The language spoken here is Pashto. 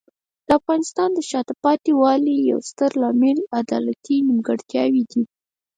د افغانستان د شاته پاتې والي یو ستر عامل عدالتي نیمګړتیاوې دي.